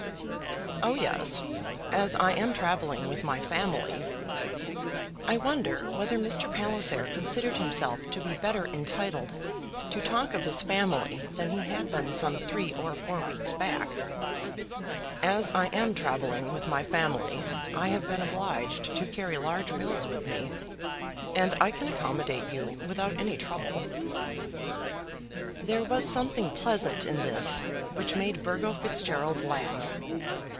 "Oh, yes. As I am travelling with my family " I wonder whether Mr. Palliser considered himself to be better entitled to talk of his family than he had been some three or four weeks back "As I am travelling with my family, I have been obliged to carry large bills with me, and I can accommodate you without any trouble." There was something pleasant in this, which made Burgo Fitzgerald laugh.